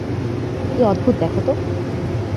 কি অদ্ভুত দেখ তো!